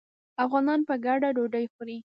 افغانان په ګډه ډوډۍ خوري.